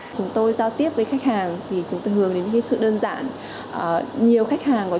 chúng tôi giao tiếp với khách hàng thì chúng tôi hướng đến sự đơn giản nhiều khách hàng có